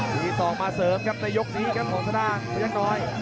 ตอนนี้ซอกมาเสิร์ฟครับในยกนี้ครับของภาษณาพระยักษ์น้อย